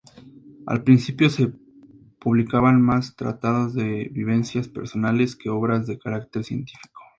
Al principio se publicaban más tratados de vivencias personales que obras de carácter científico.